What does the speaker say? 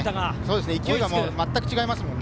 勢いが全く違いますね。